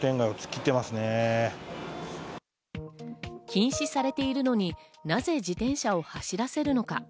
禁止されているのになぜ自転車を走らせるのか？